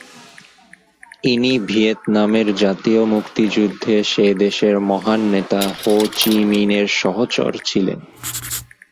ইনি ভিয়েতনামের জাতীয় মুক্তিযুদ্ধে সে দেশের মহান নেতা হো চি মিনের সহচর ছিলেন।